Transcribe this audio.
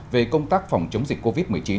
về công tác phòng chống dịch covid một mươi chín